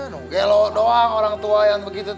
nong gelok doang orang tua yang begitu teng